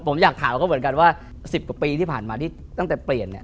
ผมอยากถามเขาเหมือนกันว่า๑๐กว่าปีที่ผ่านมาที่ตั้งแต่เปลี่ยนเนี่ย